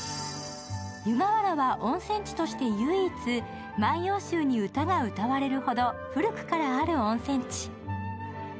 湯河原は温泉地として唯一、万葉集に歌が歌われるほど古くからある温泉地。